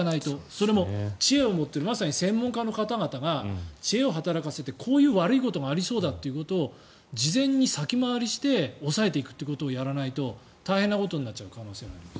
それも知恵を持っているまさに専門家の方々が知恵を働かせてこういう悪いことがありそうだということを事前に先回りして抑えていくということをやらないと大変なことになっちゃう可能性があります。